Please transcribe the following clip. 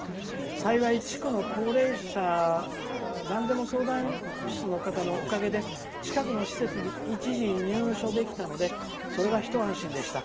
幸い地区の高齢者なんでも相談室の方のおかげで近くの施設に一時入所できたのでそれは一安心でした。